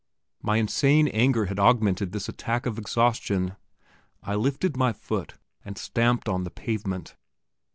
My insane anger had augmented this attack of exhaustion. I lifted my foot, and stamped on the pavement.